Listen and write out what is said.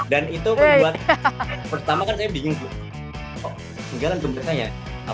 dan itu membuat pertama kan saya bingung kok ketinggalan uang cashnya ya